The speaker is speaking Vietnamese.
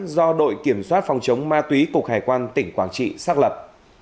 do đội kiểm soát phòng chống ma túy cục hải quan tỉnh quảng trị xác lập